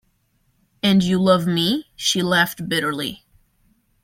“And you love me?” She laughed bitterly.